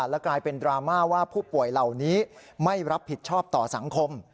และกลายเป็นดราม่าว่าผู้ป่วยเหล่านี้ไม่รับผิดชอบต่อสังคม